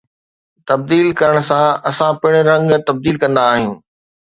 تبديل ڪرڻ سان، اسان پڻ رنگ تبديل ڪندا آهيون